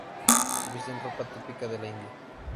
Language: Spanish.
Visten ropa típica de la India.